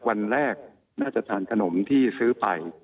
วันแรกน่าจะทานขนมที่ซื้อไป